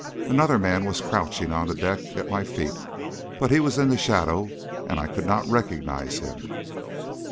Another man was crouching on the deck at my feet, but he was in the shadow and I could not recognise him.